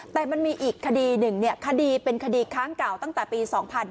แต่มันมีอีกคดีหนึ่งคดีเป็นคดีค้างเก่าตั้งแต่ปี๒๕๕๙